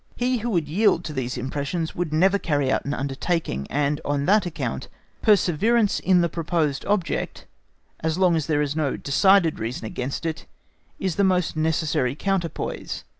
He who would yield to these impressions would never carry out an undertaking, and on that account perseverance in the proposed object, as long as there is no decided reason against it, is a most necessary counterpoise.